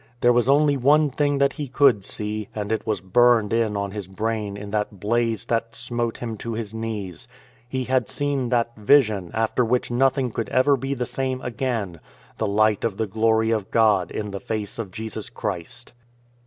There was only one thing that he could see, and it was burned in on his brain in that blaze that smote him to his knees. He had seen that Vision after which nothing could ever be the same again —" The light of the glory of God In the face of Jesus Christ."